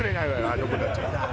あの子たち。